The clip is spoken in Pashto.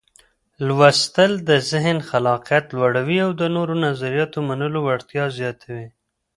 لوستل د ذهن خلاقيت لوړوي او د نوو نظریاتو منلو وړتیا زیاتوي.